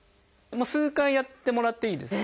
数回やってもらっていいです。